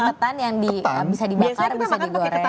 ketan yang bisa dibakar bisa digoreng